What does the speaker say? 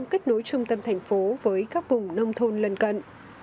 kết nối trung tâm thành phố với các vùng nông thôn lần cận